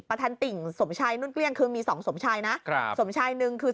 ทันติ่งสมชัยนุ่นเกลี้ยงคือมีสองสมชายนะครับสมชายหนึ่งคือ